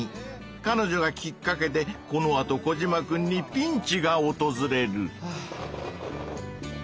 かのじょがきっかけでこのあとコジマくんにピンチがおとずれる。